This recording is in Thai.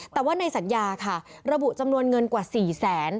แต่ว่าในสัญญาค่ะระบุจำนวนเงินกว่า๔แสน